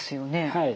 はい。